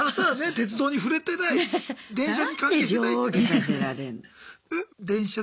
鉄道に触れてたい電車に関係してたい。